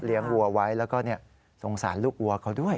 วัวไว้แล้วก็สงสารลูกวัวเขาด้วย